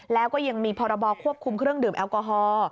แล้วก็ยังมีพรบควบคุมเครื่องดื่มแอลกอฮอล์